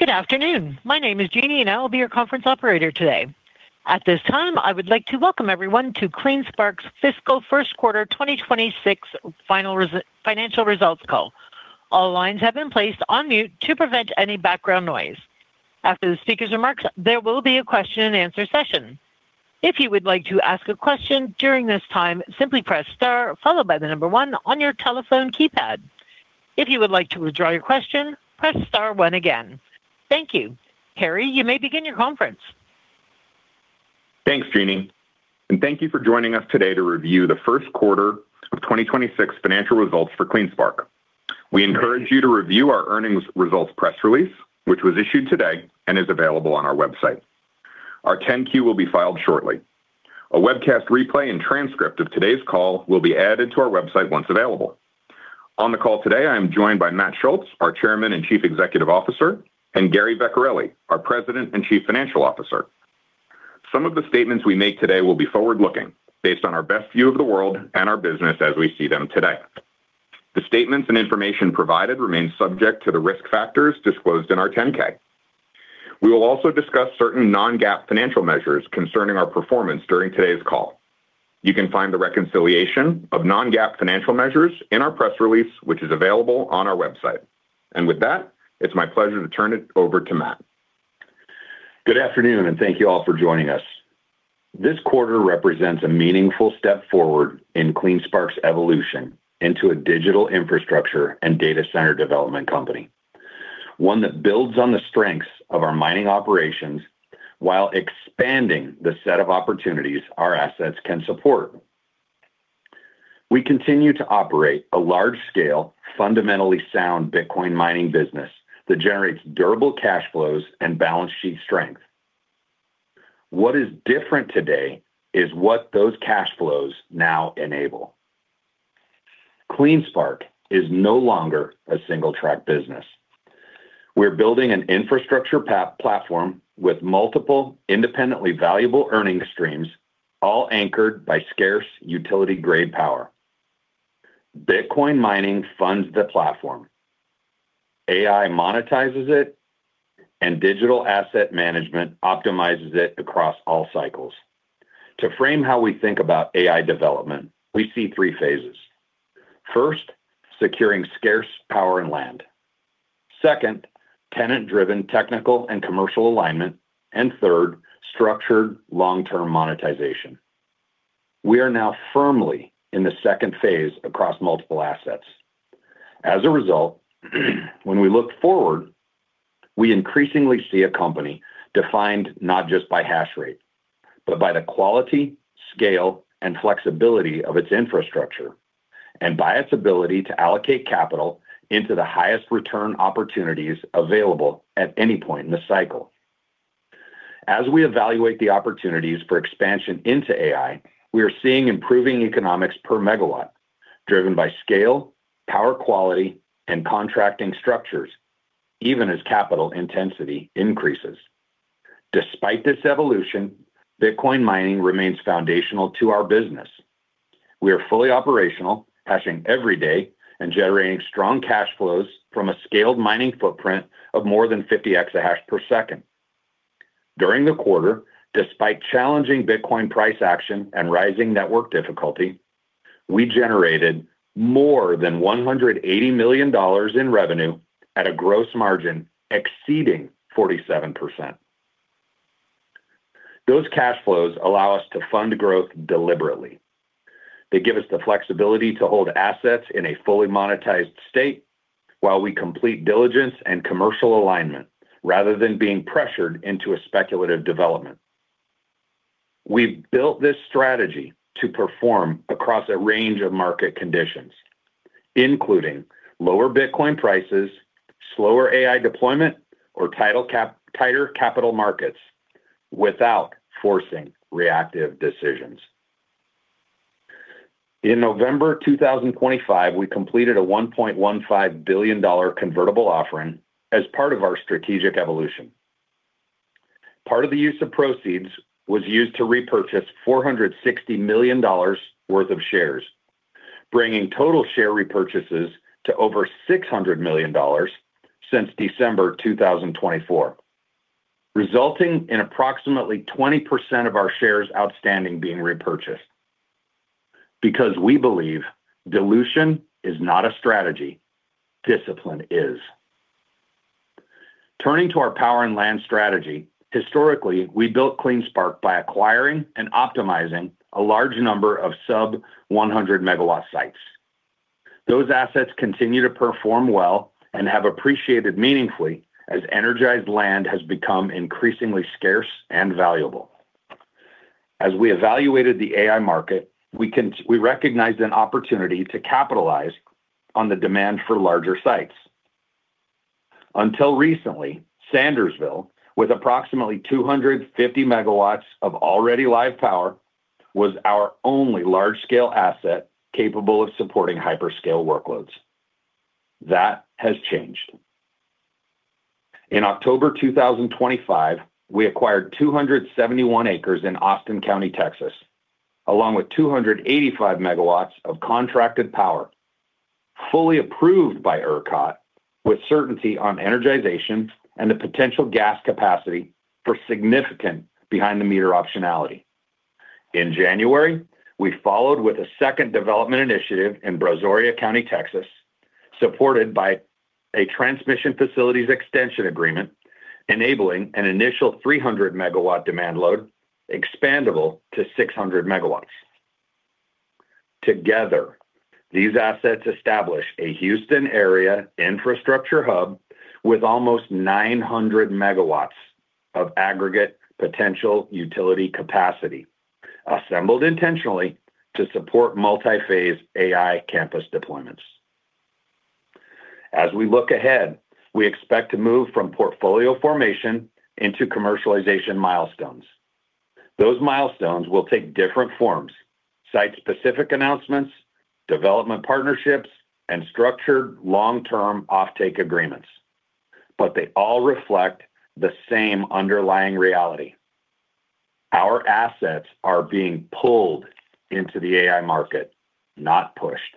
Good afternoon. My name is Jeannie, and I will be your conference operator today. At this time, I would like to welcome everyone to CleanSpark's Fiscal Q1 2026 final financial results call. All lines have been placed on mute to prevent any background noise. After the speaker's remarks, there will be a question and answer session. If you would like to ask a question during this time, simply press star followed by the number one on your telephone keypad. If you would like to withdraw your question, press star one again. Thank you. Harry, you may begin your conference. Thanks, Jeannie, and thank you for joining us today to review the first quarter of 2026 financial results for CleanSpark. We encourage you to review our earnings results press release, which was issued today and is available on our website. Our 10-Q will be filed shortly. A webcast replay and transcript of today's call will be added to our website once available. On the call today, I am joined by Matt Schultz, our Chairman and Chief Executive Officer, and Gary Vecchiarelli, our President and Chief Financial Officer. Some of the statements we make today will be forward-looking, based on our best view of the world and our business as we see them today. The statements and information provided remain subject to the risk factors disclosed in our 10-K. We will also discuss certain non-GAAP financial measures concerning our performance during today's call. You can find the reconciliation of non-GAAP financial measures in our press release, which is available on our website. With that, it's my pleasure to turn it over to Matt. Good afternoon, and thank you all for joining us. This quarter represents a meaningful step forward in CleanSpark's evolution into a digital infrastructure and data center development company, one that builds on the strengths of our mining operations while expanding the set of opportunities our assets can support. We continue to operate a large-scale, fundamentally sound Bitcoin mining business that generates durable cash flows and balance sheet strength. What is different today is what those cash flows now enable. CleanSpark is no longer a single-track business. We're building an infrastructure platform with multiple independently valuable earning streams, all anchored by scarce utility-grade power. Bitcoin mining funds the platform, AI monetizes it, and digital asset management optimizes it across all cycles. To frame how we think about AI development, we see three phases. First, securing scarce power and land. Second, tenant-driven technical and commercial alignment, and third, structured long-term monetization. We are now firmly in the second phase across multiple assets. As a result, when we look forward, we increasingly see a company defined not just by hash rate, but by the quality, scale, and flexibility of its infrastructure, and by its ability to allocate capital into the highest return opportunities available at any point in the cycle. As we evaluate the opportunities for expansion into AI, we are seeing improving economics per megawatt, driven by scale, power quality, and contracting structures, even as capital intensity increases. Despite this evolution, Bitcoin mining remains foundational to our business. We are fully operational, hashing every day and generating strong cash flows from a scaled mining footprint of more than 50 exahash per second. During the quarter, despite challenging Bitcoin price action and rising network difficulty, we generated more than $180 million in revenue at a gross margin exceeding 47%. Those cash flows allow us to fund growth deliberately. They give us the flexibility to hold assets in a fully monetized state while we complete diligence and commercial alignment, rather than being pressured into a speculative development. We built this strategy to perform across a range of market conditions, including lower Bitcoin prices, slower AI deployment, or tighter capital markets without forcing reactive decisions. In November 2025, we completed a $1.15 billion convertible offering as part of our strategic evolution. Part of the use of proceeds was used to repurchase $460 million worth of shares, bringing total share repurchases to over $600 million since December 2024, resulting in approximately 20% of our shares outstanding being repurchased. Because we believe dilution is not a strategy, discipline is. Turning to our power and land strategy, historically, we built CleanSpark by acquiring and optimizing a large number of sub 100 megawatt sites. Those assets continue to perform well and have appreciated meaningfully as energized land has become increasingly scarce and valuable. As we evaluated the AI market, we recognized an opportunity to capitalize on the demand for larger sites. Until recently, Sandersville, with approximately 250 megawatts of already live power, was our only large-scale asset capable of supporting hyperscale workloads. That has changed. In October 2025, we acquired 271 acres in Austin County, Texas, along with 285 MW of contracted power, fully approved by ERCOT, with certainty on energization and the potential gas capacity for significant behind-the-meter optionality. In January, we followed with a second development initiative in Brazoria County, Texas, supported by a transmission facilities extension agreement, enabling an initial 300 MW demand load, expandable to 600 MW. Together, these assets establish a Houston-area infrastructure hub with almost 900 MW of aggregate potential utility capacity, assembled intentionally to support multi-phase AI campus deployments. As we look ahead, we expect to move from portfolio formation into commercialization milestones. Those milestones will take different forms, site-specific announcements, development partnerships, and structured long-term offtake agreements. But they all reflect the same underlying reality: our assets are being pulled into the AI market, not pushed.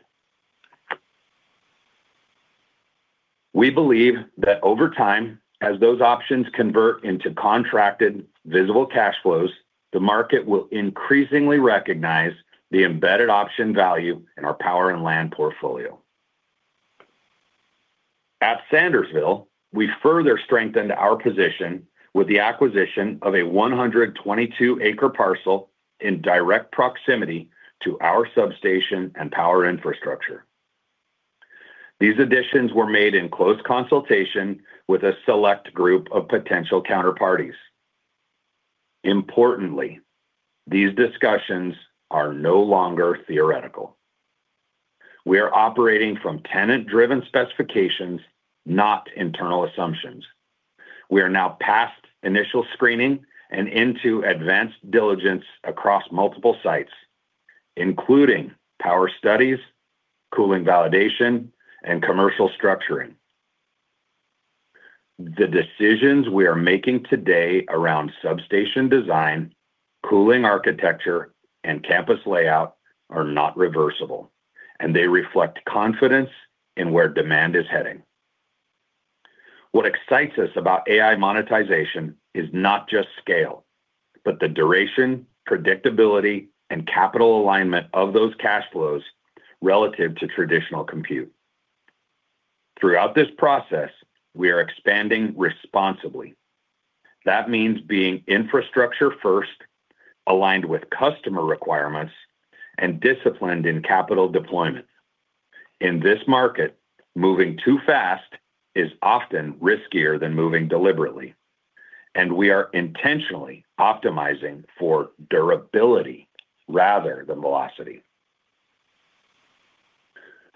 We believe that over time, as those options convert into contracted visible cash flows, the market will increasingly recognize the embedded option value in our power and land portfolio. At Sandersville, we further strengthened our position with the acquisition of a 122-acre parcel in direct proximity to our substation and power infrastructure. These additions were made in close consultation with a select group of potential counterparties. Importantly, these discussions are no longer theoretical. We are operating from tenant-driven specifications, not internal assumptions. We are now past initial screening and into advanced diligence across multiple sites, including power studies, cooling validation, and commercial structuring. The decisions we are making today around substation design, cooling architecture, and campus layout are not reversible, and they reflect confidence in where demand is heading. What excites us about AI monetization is not just scale, but the duration, predictability, and capital alignment of those cash flows relative to traditional compute. Throughout this process, we are expanding responsibly. That means being infrastructure first, aligned with customer requirements, and disciplined in capital deployment. In this market, moving too fast is often riskier than moving deliberately, and we are intentionally optimizing for durability rather than velocity.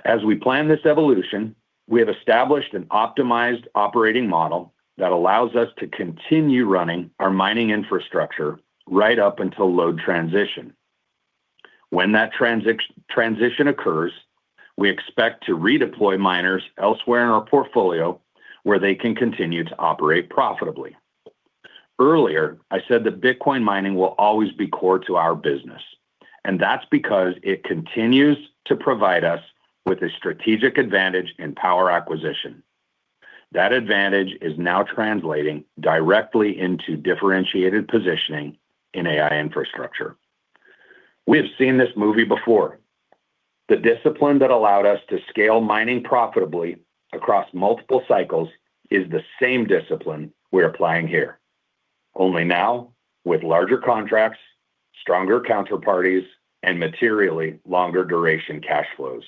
As we plan this evolution, we have established an optimized operating model that allows us to continue running our mining infrastructure right up until load transition. When that transition occurs, we expect to redeploy miners elsewhere in our portfolio where they can continue to operate profitably. Earlier, I said that Bitcoin mining will always be core to our business, and that's because it continues to provide us with a strategic advantage in power acquisition. That advantage is now translating directly into differentiated positioning in AI infrastructure. We have seen this movie before. The discipline that allowed us to scale mining profitably across multiple cycles is the same discipline we're applying here. Only now, with larger contracts, stronger counterparties, and materially longer duration cash flows.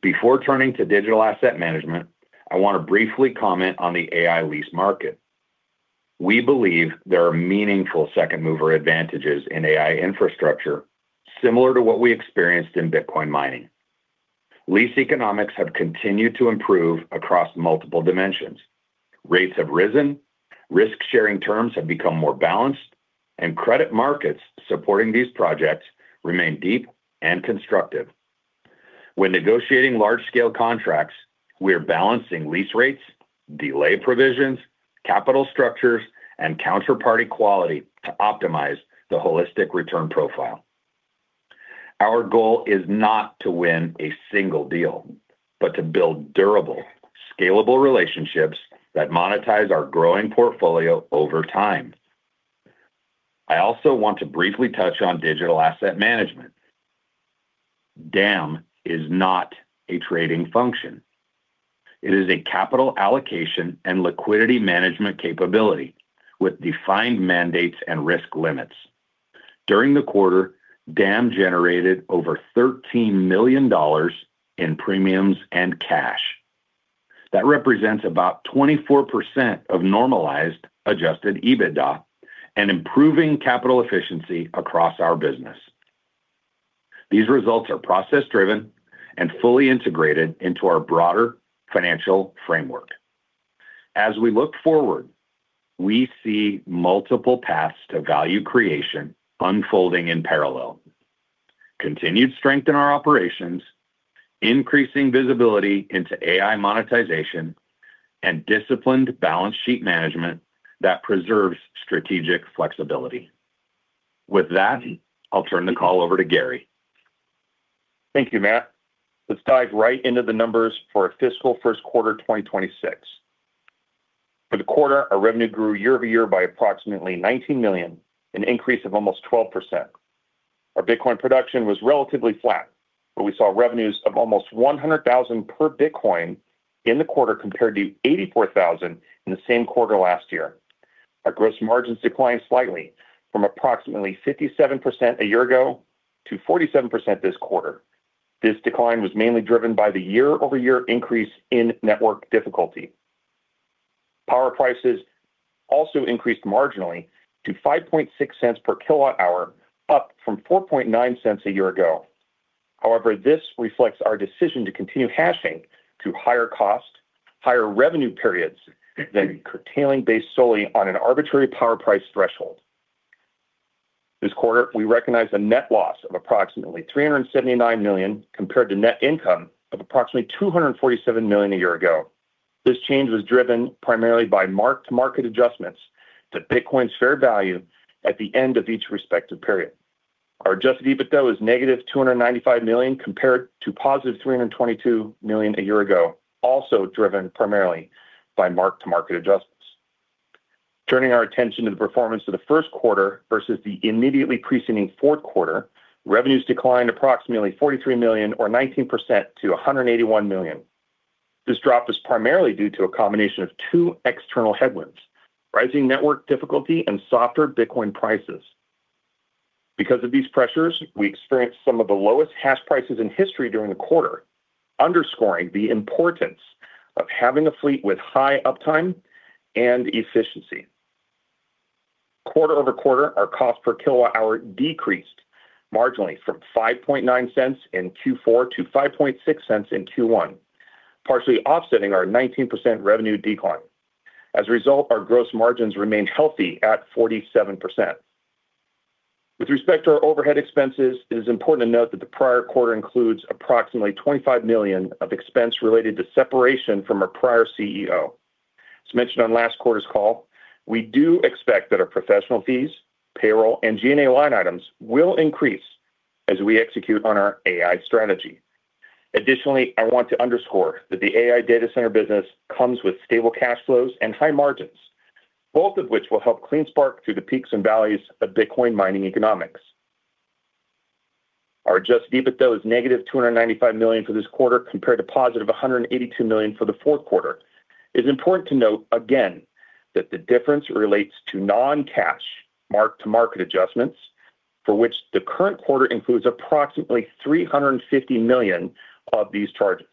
Before turning to Digital Asset Management, I want to briefly comment on the AI lease market. We believe there are meaningful second-mover advantages in AI infrastructure, similar to what we experienced in Bitcoin mining. Lease economics have continued to improve across multiple dimensions. Rates have risen, risk-sharing terms have become more balanced, and credit markets supporting these projects remain deep and constructive. When negotiating large-scale contracts, we are balancing lease rates, delay provisions, capital structures, and counterparty quality to optimize the holistic return profile. Our goal is not to win a single deal, but to build durable, scalable relationships that monetize our growing portfolio over time. I also want to briefly touch on Digital Asset Management. DAM is not a trading function. It is a capital allocation and liquidity management capability with defined mandates and risk limits. During the quarter, DAM generated over $13 million in premiums and cash. That represents about 24% of normalized adjusted EBITDA and improving capital efficiency across our business. These results are process-driven and fully integrated into our broader financial framework. As we look forward, we see multiple paths to value creation unfolding in parallel. Continued strength in our operations, increasing visibility into AI monetization, and disciplined balance sheet management that preserves strategic flexibility... With that, I'll turn the call over to Gary. Thank you, Matt. Let's dive right into the numbers for our fiscal Q1, 2026. For the quarter, our revenue grew year-over-year by approximately $19 million, an increase of almost 12%. Our Bitcoin production was relatively flat, but we saw revenues of almost $100,000 per Bitcoin in the quarter, compared to $84,000 in the same quarter last year. Our gross margins declined slightly from approximately 57% a year ago to 47% this quarter. This decline was mainly driven by the year-over-year increase in network difficulty. Power prices also increased marginally to $0.056 per kWh, up from $0.049 per kWh a year ago. However, this reflects our decision to continue hashing through higher cost, higher revenue periods than curtailing based solely on an arbitrary power price threshold. This quarter, we recognized a net loss of approximately $379 million compared to net income of approximately $247 million a year ago. This change was driven primarily by mark-to-market adjustments to Bitcoin's fair value at the end of each respective period. Our adjusted EBITDA was negative $295 million, compared to positive $322 million a year ago, also driven primarily by mark-to-market adjustments. Turning our attention to the performance of the Q1 versus the immediately preceding Q4, revenues declined approximately $43 million or 19% to $181 million. This drop is primarily due to a combination of two external headwinds, rising network difficulty and softer Bitcoin prices. Because of these pressures, we experienced some of the lowest hash prices in history during the quarter, underscoring the importance of having a fleet with high uptime and efficiency. quarter-over-quarter, our cost per kWh decreased marginally from $0.059 in Q4 to $0.056 in Q1, partially offsetting our 19% revenue decline. As a result, our gross margins remained healthy at 47%. With respect to our overhead expenses, it is important to note that the prior quarter includes approximately $25 million of expense related to separation from our prior CEO. As mentioned on last quarter's call, we do expect that our professional fees, payroll, and G&A line items will increase as we execute on our AI strategy. Additionally, I want to underscore that the AI data center business comes with stable cash flows and high margins, both of which will help CleanSpark through the peaks and valleys of Bitcoin mining economics. Our adjusted EBITDA is -$295 million for this quarter, compared to $182 million for the Q4. It's important to note again that the difference relates to non-cash mark-to-market adjustments, for which the current quarter includes approximately $350 million of these charges.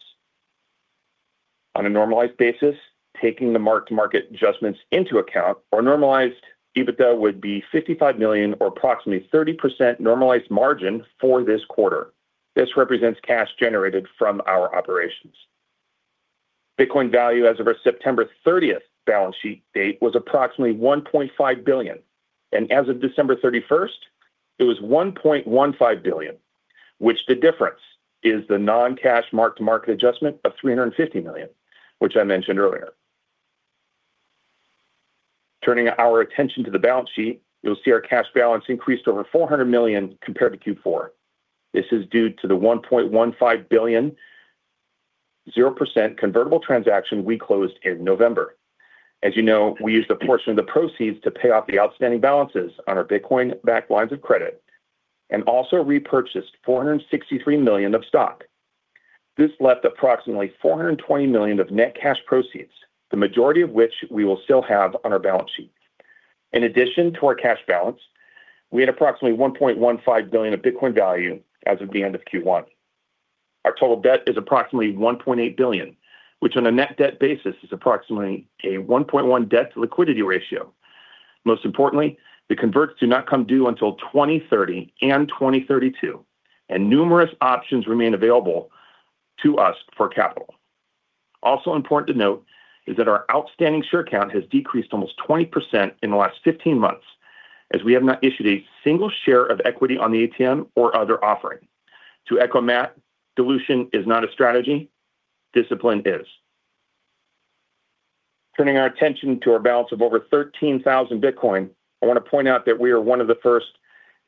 On a normalized basis, taking the mark-to-market adjustments into account, our normalized EBITDA would be $55 million or approximately 30% normalized margin for this quarter. This represents cash generated from our operations. Bitcoin value as of our September 30 balance sheet date was approximately $1.5 billion, and as of December 31, it was $1.15 billion, which the difference is the non-cash mark-to-market adjustment of $350 million, which I mentioned earlier. Turning our attention to the balance sheet, you'll see our cash balance increased over $400 million compared to Q4. This is due to the $1.15 billion, 0% convertible transaction we closed in November. As you know, we used a portion of the proceeds to pay off the outstanding balances on our Bitcoin-backed lines of credit and also repurchased $463 million of stock. This left approximately $420 million of net cash proceeds, the majority of which we will still have on our balance sheet. In addition to our cash balance, we had approximately $1.15 billion of Bitcoin value as of the end of Q1. Our total debt is approximately $1.8 billion, which, on a net debt basis, is approximately a 1.1 debt-to-liquidity ratio. Most importantly, the converts do not come due until 2030 and 2032, and numerous options remain available to us for capital. Also important to note is that our outstanding share count has decreased almost 20% in the last 15 months, as we have not issued a single share of equity on the ATM or other offering. To echo Matt, dilution is not a strategy, discipline is. Turning our attention to our balance of over 13,000 Bitcoin, I want to point out that we are one of the first,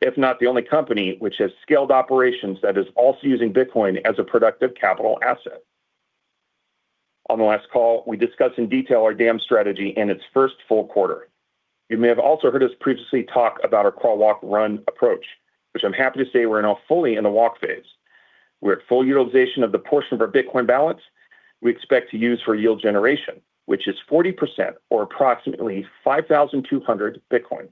if not the only company, which has scaled operations that is also using Bitcoin as a productive capital asset. On the last call, we discussed in detail our DAM strategy in its first full quarter. You may have also heard us previously talk about our crawl, walk, run approach, which I'm happy to say we're now fully in the walk phase. We're at full utilization of the portion of our Bitcoin balance we expect to use for yield generation, which is 40% or approximately 5,200 Bitcoin.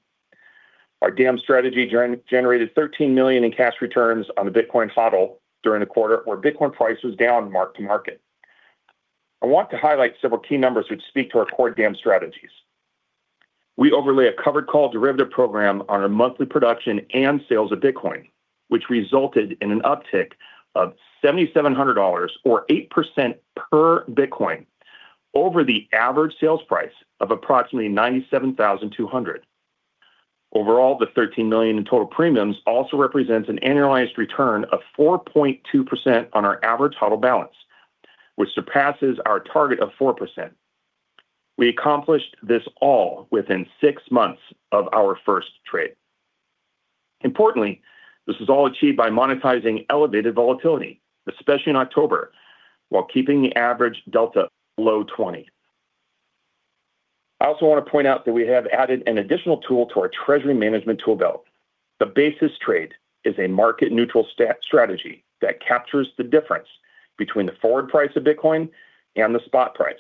Our DAM strategy generated $13 million in cash returns on the Bitcoin HODL during the quarter, where Bitcoin price was down mark to market. I want to highlight several key numbers which speak to our core DAM strategies. We overlay a covered call derivative program on our monthly production and sales of Bitcoin, which resulted in an uptick of $7,700 or 8% per Bitcoin over the average sales price of approximately $97,200. Overall, the $13 million in total premiums also represents an annualized return of 4.2% on our average HODL balance, which surpasses our target of 4%.... We accomplished this all within 6 months of our first trade. Importantly, this was all achieved by monetizing elevated volatility, especially in October, while keeping the average delta below 20. I also want to point out that we have added an additional tool to our treasury management tool belt. The basis trade is a market-neutral strategy that captures the difference between the forward price of Bitcoin and the spot price.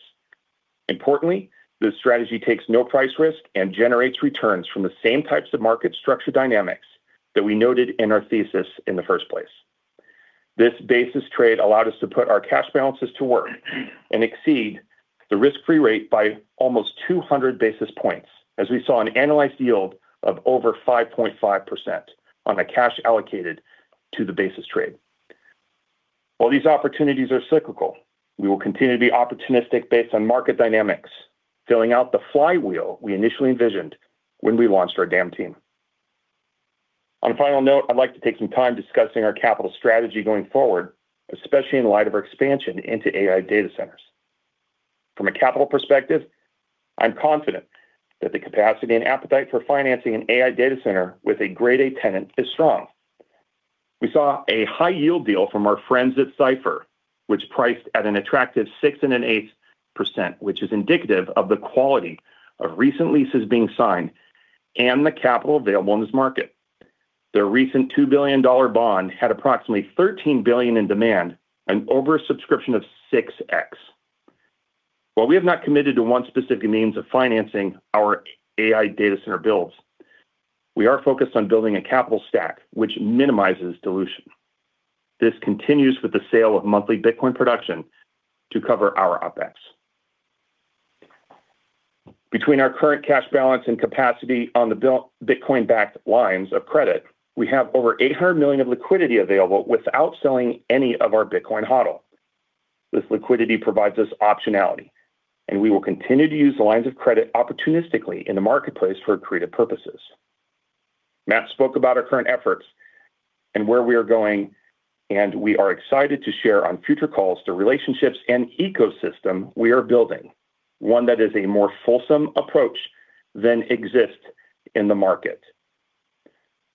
Importantly, this strategy takes no price risk and generates returns from the same types of market structure dynamics that we noted in our thesis in the first place. This basis trade allowed us to put our cash balances to work and exceed the risk-free rate by almost 200 basis points, as we saw an annualized yield of over 5.5% on the cash allocated to the basis trade. While these opportunities are cyclical, we will continue to be opportunistic based on market dynamics, filling out the flywheel we initially envisioned when we launched our DAM team. On a final note, I'd like to take some time discussing our capital strategy going forward, especially in light of our expansion into AI data centers. From a capital perspective, I'm confident that the capacity and appetite for financing an AI data center with a grade A tenant is strong. We saw a high-yield deal from our friends at Cipher, which priced at an attractive 6.8%, which is indicative of the quality of recent leases being signed and the capital available in this market. Their recent $2 billion bond had approximately $13 billion in demand, an oversubscription of 6x. While we have not committed to one specific means of financing our AI data center builds, we are focused on building a capital stack, which minimizes dilution. This continues with the sale of monthly Bitcoin production to cover our OpEx. Between our current cash balance and capacity on the built Bitcoin-backed lines of credit, we have over $800 million of liquidity available without selling any of our Bitcoin HODL. This liquidity provides us optionality, and we will continue to use the lines of credit opportunistically in the marketplace for creative purposes. Matt spoke about our current efforts and where we are going, and we are excited to share on future calls, the relationships and ecosystem we are building, one that is a more fulsome approach than exists in the market.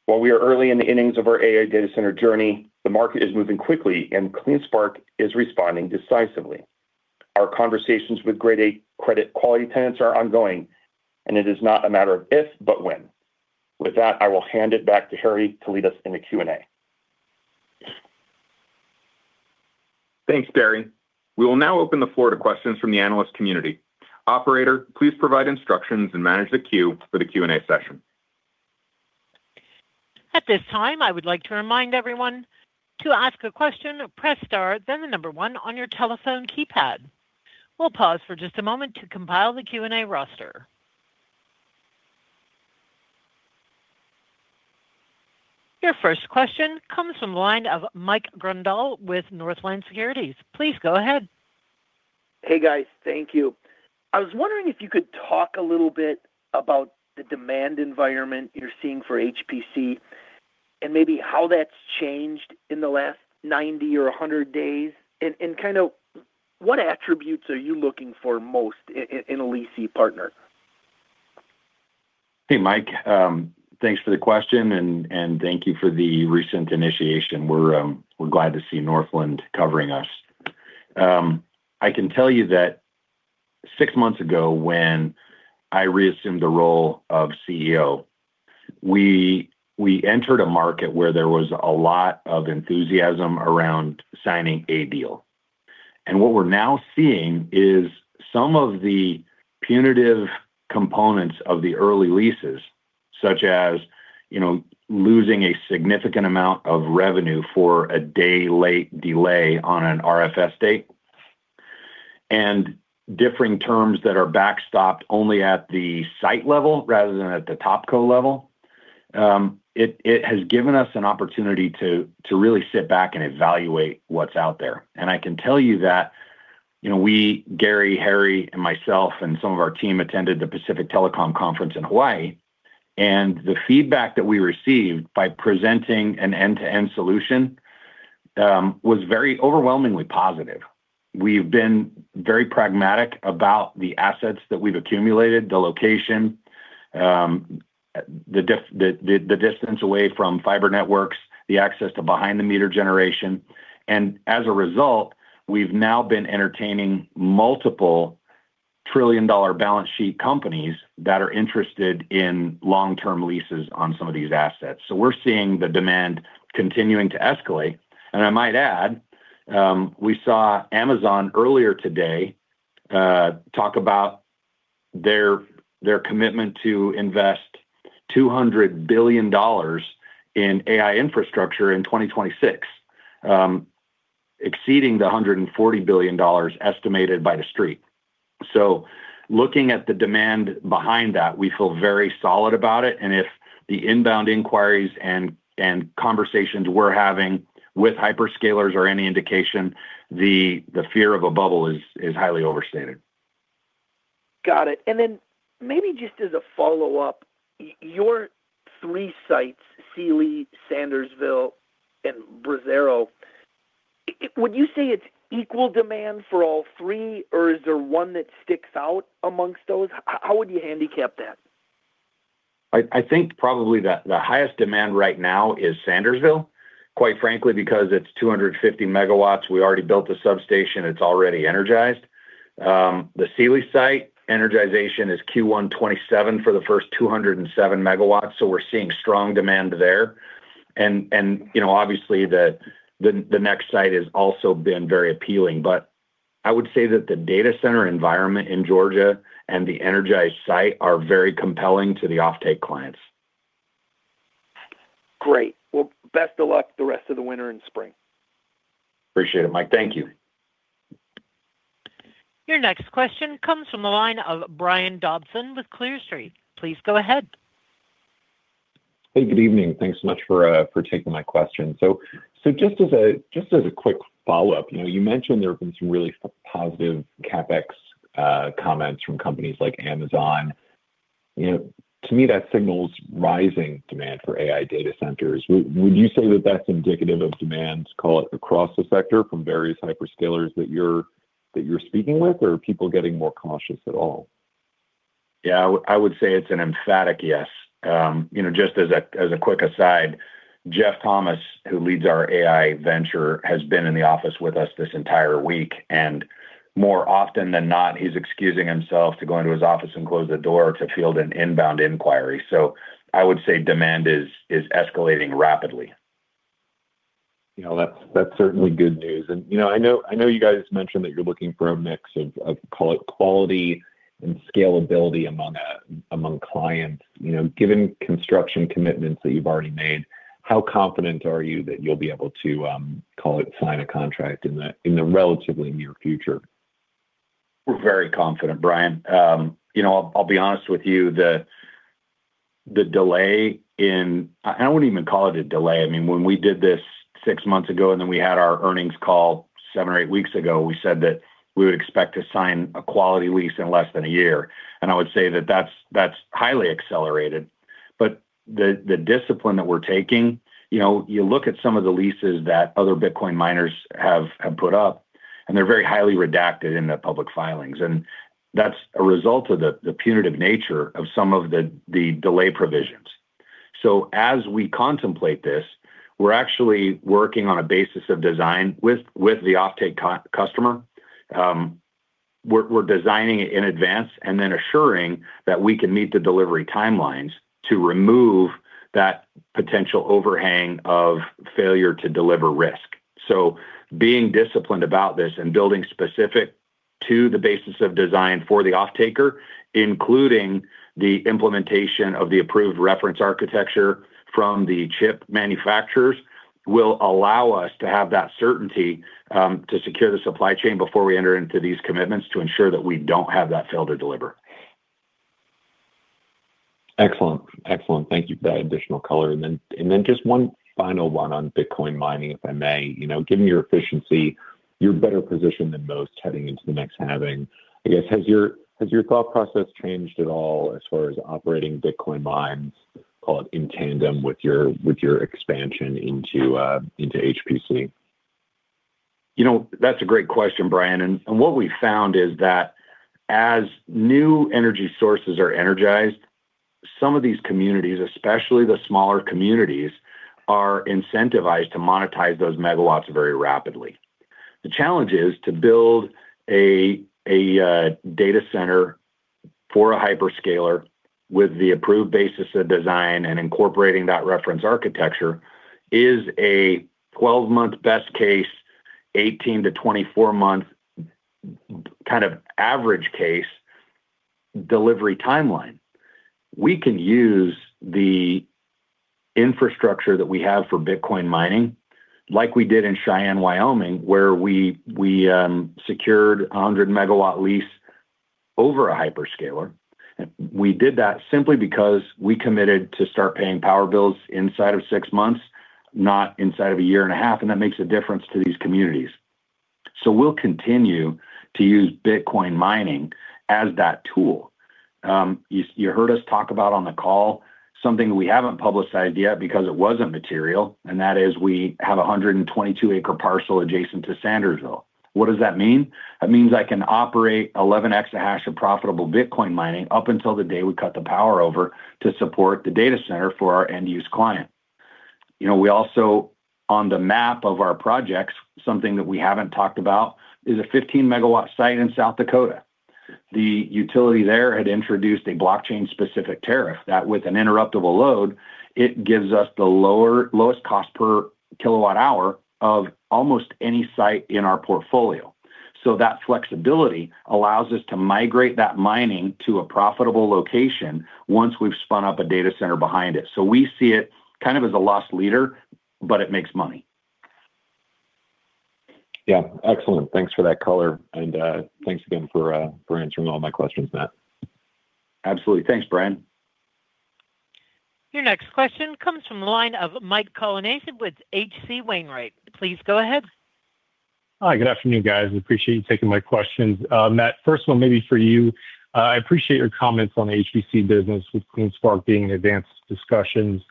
While we are early in the innings of our AI data center journey, the market is moving quickly, and CleanSpark is responding decisively. Our conversations with grade A credit quality tenants are ongoing, and it is not a matter of if, but when. With that, I will hand it back to Harry to lead us in the Q&A. Thanks, Gary. We will now open the floor to questions from the analyst community. Operator, please provide instructions and manage the queue for the Q&A session. At this time, I would like to remind everyone to ask a question, press star, then the number one on your telephone keypad. We'll pause for just a moment to compile the Q&A roster. Your first question comes from the line of Mike Grondahl with Northland Securities. Please go ahead. Hey, guys. Thank you. I was wondering if you could talk a little bit about the demand environment you're seeing for HPC and maybe how that's changed in the last 90 or 100 days, and kind of what attributes are you looking for most in a leasing partner? Hey, Mike, thanks for the question, and thank you for the recent initiation. We're glad to see Northland covering us. I can tell you that six months ago, when I reassumed the role of CEO, we entered a market where there was a lot of enthusiasm around signing a deal. And what we're now seeing is some of the punitive components of the early leases, such as, you know, losing a significant amount of revenue for a day-late delay on an RFS date and differing terms that are backstopped only at the site level rather than at the top co-level. It has given us an opportunity to really sit back and evaluate what's out there. I can tell you that, you know, we, Gary, Harry, and myself, and some of our team attended the Pacific Telecom Conference in Hawaii, and the feedback that we received by presenting an end-to-end solution was very overwhelmingly positive. We've been very pragmatic about the assets that we've accumulated, the location, the distance away from fiber networks, the access to behind-the-meter generation, and as a result, we've now been entertaining multiple trillion-dollar balance sheet companies that are interested in long-term leases on some of these assets. So we're seeing the demand continuing to escalate. I might add, we saw Amazon earlier today talk about their commitment to invest $200 billion in AI infrastructure in 2026, exceeding the $140 billion estimated by the street. So looking at the demand behind that, we feel very solid about it, and if the inbound inquiries and conversations we're having with hyperscalers are any indication, the fear of a bubble is highly overstated. Got it. And then maybe just as a follow-up, your three sites, Sealy, Sandersville, and Brazoria... would you say it's equal demand for all three, or is there one that sticks out amongst those? How would you handicap that? I think probably the highest demand right now is Sandersville, quite frankly, because it's 250 MW. We already built a substation. It's already energized. The Sealy site, energization is Q1 2027 for the first 207 MW, so we're seeing strong demand there. And, you know, obviously, the next site has also been very appealing. But I would say that the data center environment in Georgia and the energized site are very compelling to the offtake clients. Great. Well, best of luck the rest of the winter and spring. Appreciate it, Mike. Thank you. Your next question comes from the line of Brian Dobson with Clear Street. Please go ahead. Hey, good evening. Thanks so much for taking my question. So just as a quick follow-up, you know, you mentioned there have been some really positive CapEx comments from companies like Amazon. You know, to me, that signals rising demand for AI data centers. Would you say that that's indicative of demand, call it, across the sector from various hyperscalers that you're speaking with, or are people getting more cautious at all? Yeah, I would say it's an emphatic yes. You know, just as a quick aside, Jeff Thomas, who leads our AI venture, has been in the office with us this entire week, and more often than not, he's excusing himself to go into his office and close the door to field an inbound inquiry. So I would say demand is escalating rapidly. You know, that's certainly good news. You know, I know, I know you guys mentioned that you're looking for a mix of, call it, quality and scalability among clients. You know, given construction commitments that you've already made, how confident are you that you'll be able to, call it, sign a contract in the relatively near future? We're very confident, Brian. You know, I'll be honest with you, the delay in... I wouldn't even call it a delay. I mean, when we did this six months ago, and then we had our earnings call seven or eight weeks ago, we said that we would expect to sign a quality lease in less than a year, and I would say that that's highly accelerated. But the discipline that we're taking, you know, you look at some of the leases that other Bitcoin miners have put up, and they're very highly redacted in the public filings, and that's a result of the punitive nature of some of the delay provisions. So as we contemplate this, we're actually working on a basis of design with the offtake customer. We're designing it in advance and then assuring that we can meet the delivery timelines to remove that potential overhang of failure to deliver risk. So being disciplined about this and building specific to the basis of design for the offtaker, including the implementation of the approved reference architecture from the chip manufacturers, will allow us to have that certainty to secure the supply chain before we enter into these commitments to ensure that we don't have that fail to deliver. Excellent. Excellent. Thank you for that additional color. And then, and then just one final one on Bitcoin mining, if I may. You know, given your efficiency, you're better positioned than most heading into the next halving. I guess, has your, has your thought process changed at all as far as operating Bitcoin mines, call it, in tandem with your, with your expansion into, into HPC? You know, that's a great question, Brian, and, and what we've found is that as new energy sources are energized, some of these communities, especially the smaller communities, are incentivized to monetize those megawatts very rapidly. The challenge is to build a data center for a hyperscaler with the approved basis of design, and incorporating that reference architecture is a 12-month best case, 18- to 24-month kind of average case delivery timeline. We can use the infrastructure that we have for Bitcoin mining, like we did in Cheyenne, Wyoming, where we secured a 100-MW lease over a hyperscaler. We did that simply because we committed to start paying power bills inside of six months, not inside of a year and a half, and that makes a difference to these communities. So we'll continue to use Bitcoin mining as that tool. You, you heard us talk about on the call something we haven't publicized yet because it wasn't material, and that is we have a 122-acre parcel adjacent to Sandersville. What does that mean? That means I can operate 11 exahash of profitable Bitcoin mining up until the day we cut the power over to support the data center for our end-use client. You know, we also, on the map of our projects, something that we haven't talked about, is a 15-megawatt site in South Dakota. The utility there had introduced a blockchain-specific tariff that, with an interruptible load, it gives us the lowest cost per kWh of almost any site in our portfolio. So that flexibility allows us to migrate that mining to a profitable location once we've spun up a data center behind it. We see it kind of as a loss leader, but it makes money. Yeah. Excellent. Thanks for that color, and thanks again for answering all my questions, Matt. Absolutely. Thanks, Brian. Your next question comes from the line of Mike Colonnese with H.C. Wainwright. Please go ahead.... Hi, good afternoon, guys. Appreciate you taking my questions. Matt, first one maybe for you. I appreciate your comments on the HPC business with CleanSpark being in advanced discussions,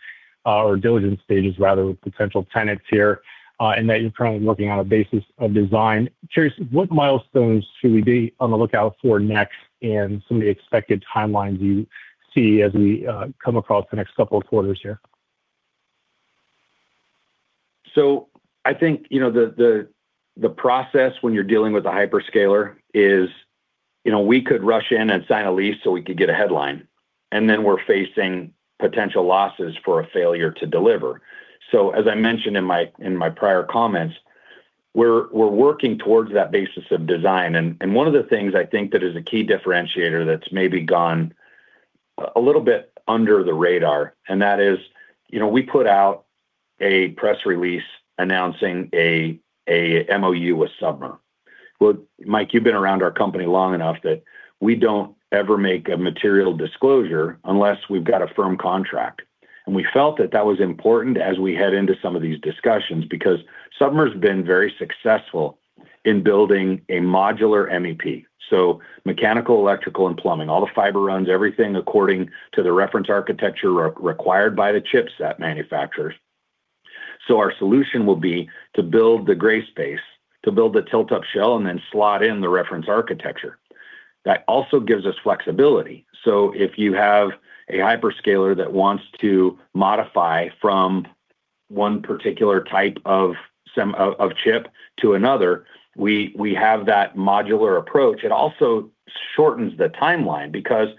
or diligence stages rather, with potential tenants here, and that you're currently working on a basis of design. Curious, what milestones should we be on the lookout for next, and some of the expected timelines you see as we, come across the next couple of quarters here? So I think, you know, the process when you're dealing with a hyperscaler is, you know, we could rush in and sign a lease so we could get a headline, and then we're facing potential losses for a failure to deliver. So as I mentioned in my prior comments, we're working towards that basis of design. And one of the things I think that is a key differentiator that's maybe gone a little bit under the radar, and that is, you know, we put out a press release announcing a MOU with Submer. Well, Mike, you've been around our company long enough that we don't ever make a material disclosure unless we've got a firm contract. And we felt that that was important as we head into some of these discussions, because Submer's been very successful in building a modular MEP. So mechanical, electrical, and plumbing, all the fiber runs, everything according to the reference architecture required by the chipset manufacturers. So our solution will be to build the gray space, to build the tilt-up shell and then slot in the reference architecture. That also gives us flexibility. So if you have a hyperscaler that wants to modify from one particular type of chip to another, we have that modular approach. It also shortens the timeline because,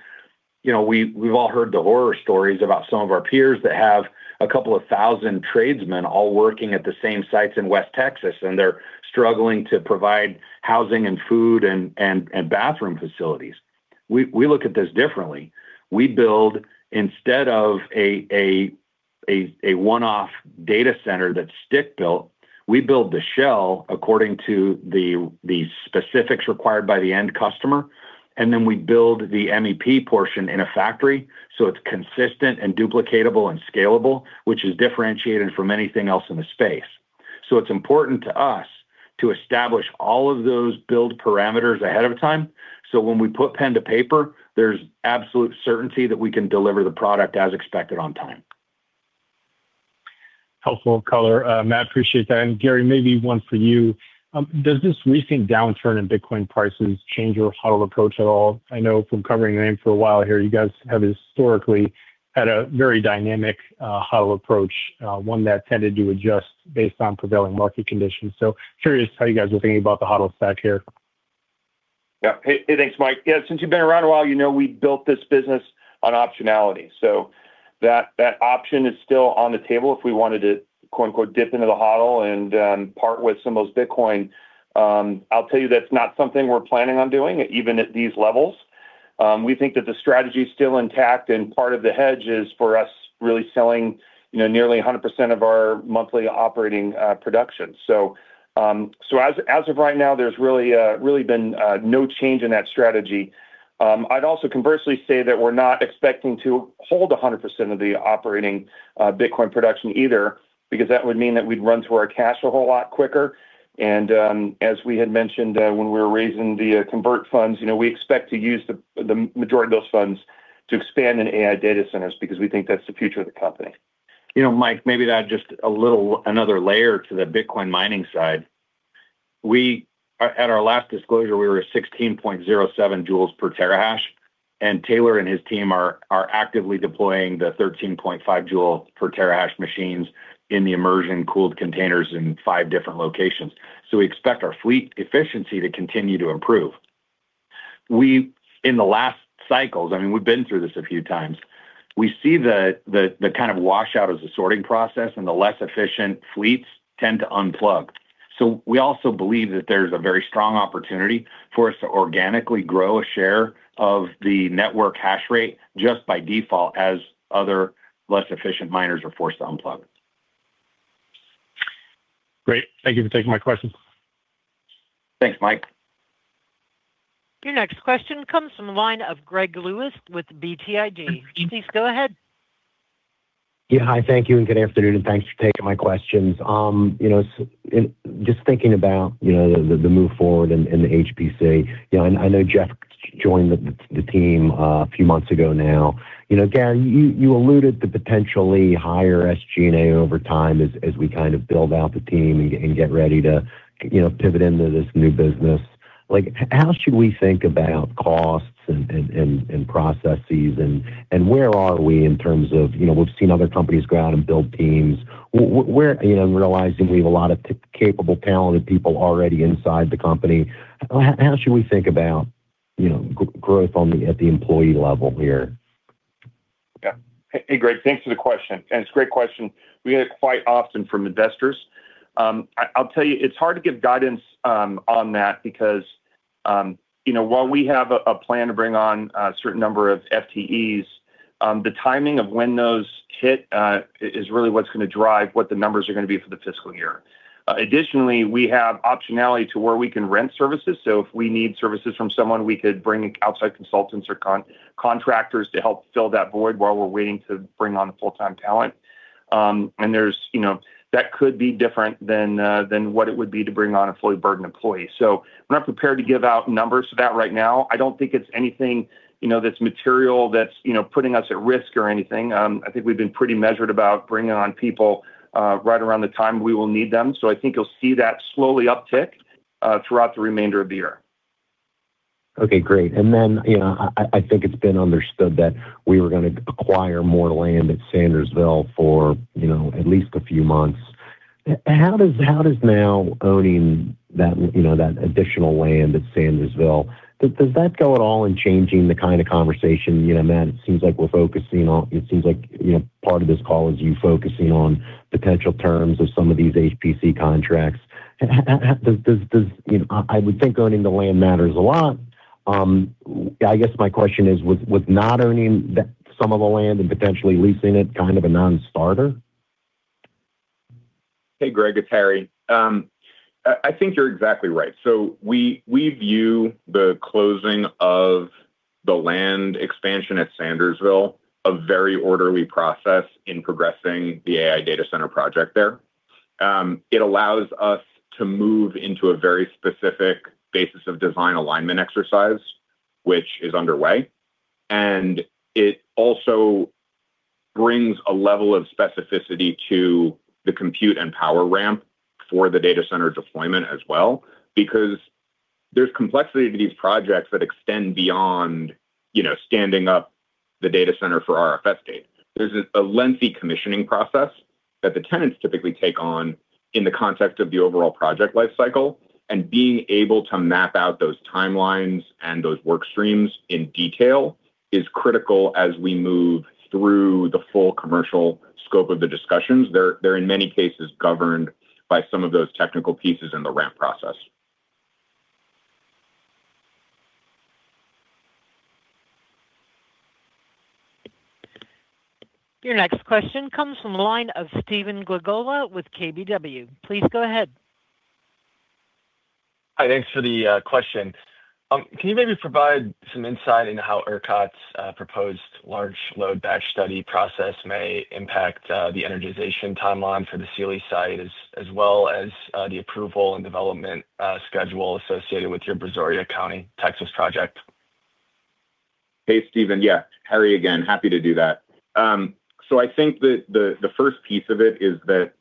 you know, we've all heard the horror stories about some of our peers that have a couple of thousand tradesmen all working at the same sites in West Texas, and they're struggling to provide housing and food and bathroom facilities. We look at this differently. We build, instead of a one-off data center that's stick-built, we build the shell according to the specifics required by the end customer, and then we build the MEP portion in a factory, so it's consistent and duplicatable and scalable, which is differentiated from anything else in the space. So it's important to us to establish all of those build parameters ahead of time, so when we put pen to paper, there's absolute certainty that we can deliver the product as expected on time. Helpful color. Matt, appreciate that. Gary, maybe one for you. Does this recent downturn in Bitcoin prices change your HODL approach at all? I know from covering the name for a while here, you guys have historically had a very dynamic, HODL approach, one that tended to adjust based on prevailing market conditions. So curious how you guys are thinking about the HODL stack here. Yeah. Hey, hey, thanks, Mike. Yeah, since you've been around a while, you know we built this business on optionality, so that option is still on the table if we wanted to, quote, unquote, "dip into the HODL" and part with some of those Bitcoin. I'll tell you that's not something we're planning on doing, even at these levels. We think that the strategy is still intact, and part of the hedge is for us really selling, you know, nearly 100% of our monthly operating production. So, as of right now, there's really been no change in that strategy. I'd also conversely say that we're not expecting to hold 100% of the operating Bitcoin production either, because that would mean that we'd run through our cash a whole lot quicker. As we had mentioned, when we were raising the convert funds, you know, we expect to use the majority of those funds to expand in AI data centers because we think that's the future of the company. You know, Mike, maybe to add just a little, another layer to the Bitcoin mining side. We at our last disclosure, we were at 16.07 joules per terahash, and Taylor and his team are actively deploying the 13.5 joule per terahash machines in the immersion-cooled containers in 5 different locations. So we expect our fleet efficiency to continue to improve. We in the last cycles, I mean, we've been through this a few times. We see the kind of washout of the sorting process, and the less efficient fleets tend to unplug. So we also believe that there's a very strong opportunity for us to organically grow a share of the network hash rate just by default, as other less efficient miners are forced to unplug. Great. Thank you for taking my question. Thanks, Mike. Your next question comes from the line of Greg Lewis with BTIG. Please go ahead. Yeah. Hi, thank you, and good afternoon, and thanks for taking my questions. And just thinking about, you know, the move forward in the HPC, you know, and I know Jeff joined the team a few months ago now. You know, Gary, you alluded to potentially higher SG&A over time as we kind of build out the team and get ready to, you know, pivot into this new business. Like, how should we think about costs and processes, and where are we in terms of... You know, we've seen other companies go out and build teams. Where, you know, and realizing we have a lot of capable, talented people already inside the company, how should we think about, you know, growth at the employee level here? Yeah. Hey, Greg, thanks for the question, and it's a great question. We get it quite often from investors. I'll tell you, it's hard to give guidance on that because, you know, while we have a plan to bring on a certain number of FTEs, the timing of when those hit is really what's going to drive what the numbers are going to be for the fiscal year. Additionally, we have optionality to where we can rent services, so if we need services from someone, we could bring in outside consultants or contractors to help fill that void while we're waiting to bring on the full-time talent.... And there's, you know, that could be different than what it would be to bring on a fully burdened employee. So we're not prepared to give out numbers for that right now. I don't think it's anything, you know, that's material that's, you know, putting us at risk or anything. I think we've been pretty measured about bringing on people, right around the time we will need them, so I think you'll see that slowly uptick throughout the remainder of the year. Okay, great. And then, you know, I think it's been understood that we were gonna acquire more land at Sandersville for, you know, at least a few months. And how does now owning that, you know, that additional land at Sandersville, does that go at all in changing the kind of conversation? You know, Matt, it seems like we're focusing on-- it seems like, you know, part of this call is you focusing on potential terms of some of these HPC contracts. And how does-- You know, I would think owning the land matters a lot. I guess my question is: Was not owning some of the land and potentially leasing it kind of a non-starter? Hey, Greg, it's Harry. I think you're exactly right. So we view the closing of the land expansion at Sandersville a very orderly process in progressing the AI data center project there. It allows us to move into a very specific basis of design alignment exercise, which is underway, and it also brings a level of specificity to the compute and power ramp for the data center deployment as well, because there's complexity to these projects that extend beyond, you know, standing up the data center for RFS date. There's a lengthy commissioning process that the tenants typically take on in the context of the overall project life cycle, and being able to map out those timelines and those work streams in detail is critical as we move through the full commercial scope of the discussions. They're, in many cases, governed by some of those technical pieces in the ramp process. Your next question comes from the line of Stephen Glagola with KBW. Please go ahead. Hi, thanks for the question. Can you maybe provide some insight into how ERCOT's proposed large load batch study process may impact the energization timeline for the Sealy site, as well as the approval and development schedule associated with your Brazoria County, Texas project? Hey, Steven. Yeah, Harry again. Happy to do that. So I think the first piece of it is that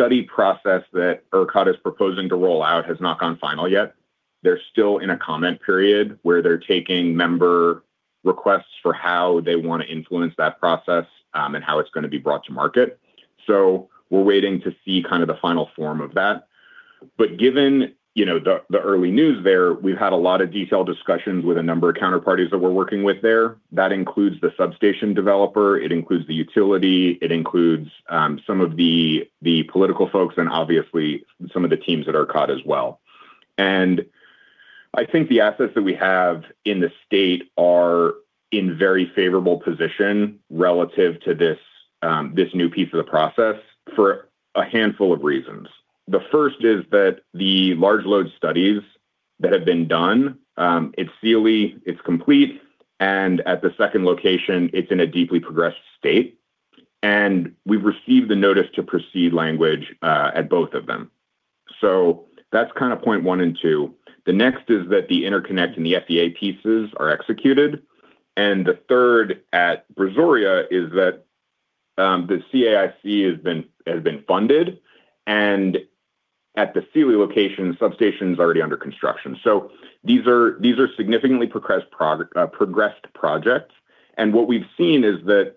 the study process that ERCOT is proposing to roll out has not gone final yet. They're still in a comment period where they're taking member requests for how they want to influence that process, and how it's gonna be brought to market. So we're waiting to see kind of the final form of that. But given, you know, the early news there, we've had a lot of detailed discussions with a number of counterparties that we're working with there. That includes the substation developer, it includes the utility, it includes some of the political folks, and obviously some of the teams at ERCOT as well. I think the assets that we have in the state are in very favorable position relative to this, this new piece of the process for a handful of reasons. The first is that the large load studies that have been done at Sealy, it's complete, and at the second location, it's in a deeply progressed state, and we've received the notice to proceed language at both of them. So that's kind of point one and two. The next is that the interconnect and the FSA pieces are executed, and the third at Brazoria is that the CAIC has been funded, and at the Sealy location, substation's already under construction. So these are, these are significantly progressed projects, and what we've seen is that